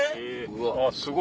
すごい。